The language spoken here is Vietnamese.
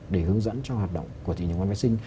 để hướng dẫn cho hoạt động của thị trường phát sinh